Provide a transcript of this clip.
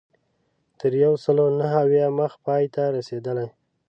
تر یو سلو نهه اویا مخ پای ته رسېدلې.